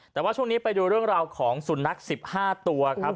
แต่ว่าช่วงนี้ไปดูเรื่องราวของสุนัข๑๕ตัวครับ